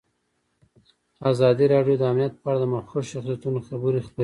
ازادي راډیو د امنیت په اړه د مخکښو شخصیتونو خبرې خپرې کړي.